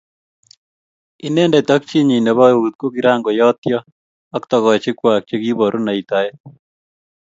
Inendet ak chinyi nebo eut kokikakoyotyo ak togochik Kwak chekiiboru naitaet